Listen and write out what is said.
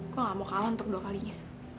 gue nggak mau kalah untuk dua kalinya